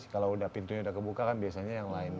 kalau pintunya udah kebuka kan biasanya yang lain